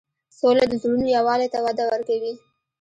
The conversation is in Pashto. سوله د زړونو یووالی ته وده ورکوي.